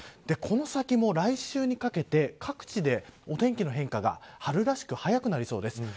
この先も来週にかけて、各地でお天気の変化が春らしく、早くなりそうです。